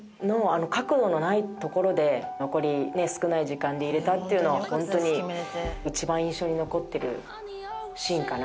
活路のないところ残り少ない時間で入れたのが本当に一番印象に残ってるシーンかな。